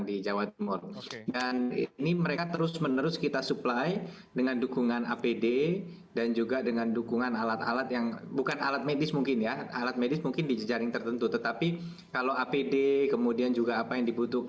dari rumah sakit lapangan